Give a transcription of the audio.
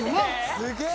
・すげえ！